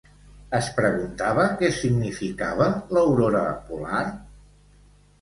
Es preguntava què significava l'aurora polar?